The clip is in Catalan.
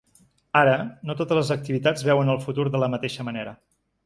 Ara, no totes les activitats veuen el futur de la mateixa manera.